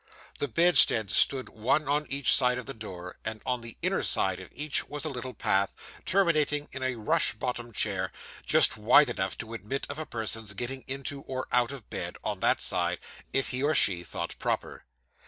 The bedsteads stood one on each side of the door; and on the inner side of each was a little path, terminating in a rush bottomed chair, just wide enough to admit of a person's getting into or out of bed, on that side, if he or she thought proper.